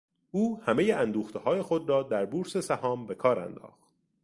او همهی اندوختههای خود را در بورس سهام به کار انداخت.